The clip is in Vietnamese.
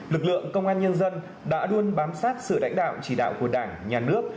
lực lượng công an nhân dân đã luôn bám sát sự lãnh đạo chỉ đạo của đảng nhà nước